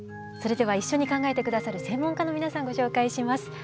それでは一緒に考えて下さる専門家の皆さんご紹介します。